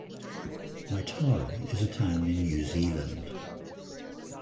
Waitara is a town in New Zealand.